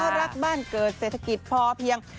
รักบ้านเกิดเศรษฐกิจพอเพียง